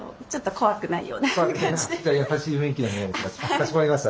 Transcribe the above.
かしこまりました。